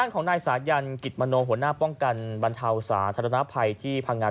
การป้องกันบรรเทาศาสนธนภัยที่พังงา